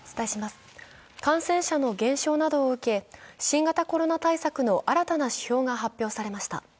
感染者の減少などを受け、新型コロナ対策などの新たな指標が発表されました。